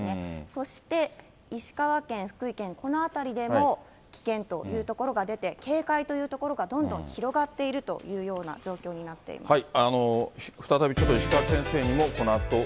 そして、石川県、福井県、この辺りでも、危険という所が出て、警戒という所がどんどん広がっているというような状況になっています。